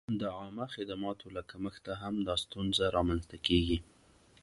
د عامه خدماتو له کمښته هم دا ستونزه را منځته کېږي.